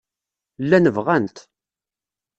Llan bɣan-t.